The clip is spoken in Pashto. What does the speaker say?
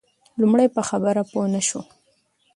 لومړی په خبره پوی نه شو.